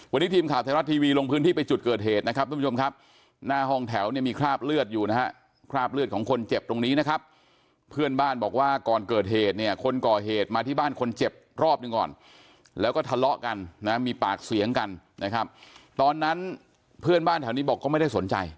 วันนี้ทีมข่าวไทยรัฐทีวีลงพื้นที่ไปจุดเกิดเหตุนะครับทุกผู้ชมครับหน้าห้องแถวเนี่ยมีคราบเลือดอยู่นะฮะคราบเลือดของคนเจ็บตรงนี้นะครับเพื่อนบ้านบอกว่าก่อนเกิดเหตุเนี่ยคนก่อเหตุมาที่บ้านคนเจ็บรอบหนึ่งก่อนแล้วก็ทะเลาะกันนะมีปากเสียงกันนะครับตอนนั้นเพื่อนบ้านแถวนี้บอกก็ไม่ได้สนใจ